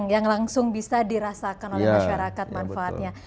yang langsung bisa dirasakan oleh masyarakat manfaatnya